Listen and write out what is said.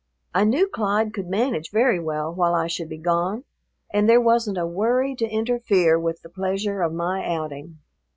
I knew Clyde could manage very well while I should be gone, and there wasn't a worry to interfere with the pleasure of my outing.